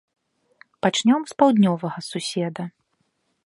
Пачнём з паўднёвага суседа.